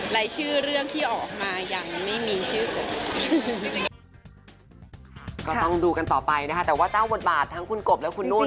และชื่อเรื่องที่ออกมายังไม่มีชื่อกบ